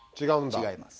違います。